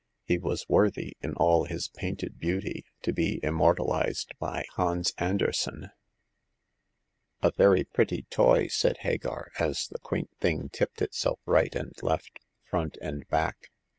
He was worthy, in all his painted beauty, to be immortalized by Hans Andersen. 1 82 Hagar of the Pawn Shop. " A very pretty toy ?" said Hagar, as the quaint thing tipped itself right and left, front and back.